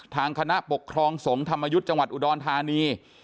ทางคณะปกครองสงฆ์ธรรมยุทธ์จังหวัดอุดรธานี